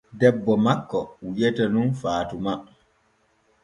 Debbo makko wi'etee nun fatuma.